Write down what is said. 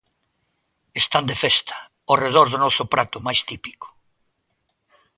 Están de festa ó redor do noso prato máis típico.